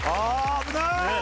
危ない！